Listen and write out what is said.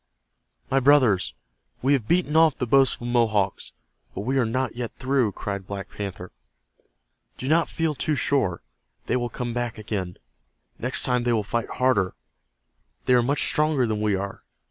"My brothers, we have beaten off the boastful Mohawks, but we are not through," cried Black Panther. "Do not feel too sure. They will come again. Next time they will fight harder. They are much stronger than we are.